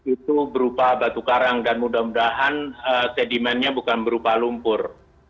itu berupa batu karang dan mudah mudahan sedimennya bukan berupa lumpur